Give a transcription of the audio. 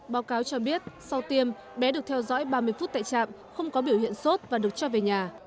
báo cáo cho biết sau tiêm bé được theo dõi ba mươi phút tại trạm không có biểu hiện sốt và được cho về nhà